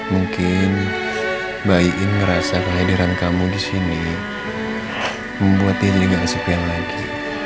mungkin bayi ini ngerasa kehadiran kamu di sini membuat diri gak kesepian lagi